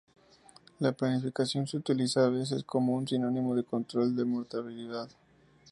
La planificación se utiliza a veces como un sinónimo de control de la mortalidad.